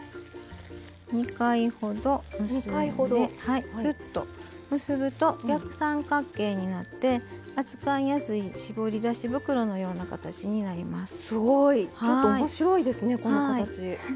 ２回ほど、結んでぎゅっと結ぶと逆三角形になって扱いやすい搾り出し袋のようになります。